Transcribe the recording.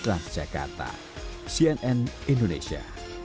transjakarta cnn indonesia